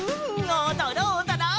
おどろうおどろう！